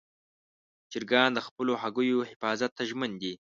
چرګان د خپلو هګیو حفاظت ته ژمن دي.